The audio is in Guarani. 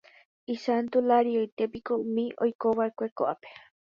Isantularioitépiko umi oikova'ekue ko'ápe.